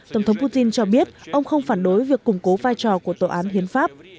tổng thống putin cho biết ông không phản đối việc củng cố vai trò của tổ án hiến pháp